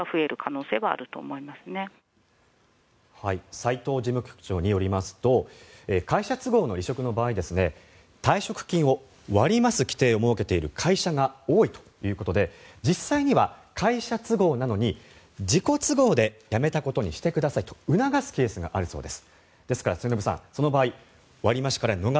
斉藤事務局長によりますと会社都合の離職の場合退職金を割り増す規定を設けている会社が多いということで実際には会社都合なのに自己都合で辞めたことにしてくださいと促すケースがあるそうです。